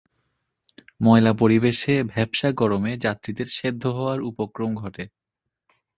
ময়লা পরিবেশে, ভ্যাপসা গরমে যাত্রীদের সেদ্ধ হওয়ার উপক্রম ঘটে।